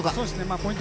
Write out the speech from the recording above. ポイント